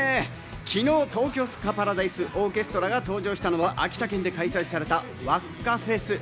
昨日、東京スカパラダイスオーケストラが登場したのは秋田県で開催された「わっかフェス」。